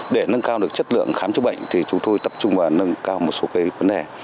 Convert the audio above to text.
để nâng cao được chất lượng khám chữa bệnh thì chúng tôi tập trung vào nâng cao một số vấn đề